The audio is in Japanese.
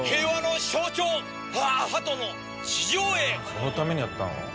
そのためにやったの？